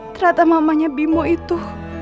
ternyata mamanya bimu itu